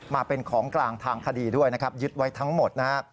มาเป็นของกลางทางคดีด้วยยึดไว้ทั้งหมด